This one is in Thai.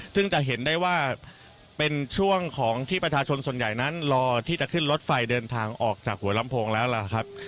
ซึ่งจะเห็นได้ว่าเป็นช่วงของที่ประชาชนส่วนใหญ่นั้นรอที่จะขึ้นรถไฟเดินทางออกจากหัวลำโพงแล้วล่ะครับ